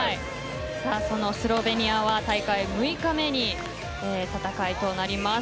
そのスロベニアは大会６日目に戦いとなります。